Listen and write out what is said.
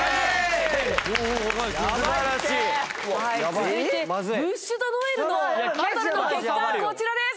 （続いてブッシュ・ド・ノエルのバトルの結果はこちらです！